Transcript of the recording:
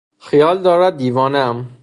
خیال دارد دیوانه ام.